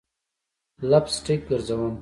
لپ سټک ګرزوم